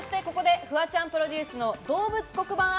ここでフワちゃんプロデュースの動物黒板